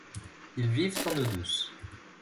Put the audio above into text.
Ils vivent en eaux douces.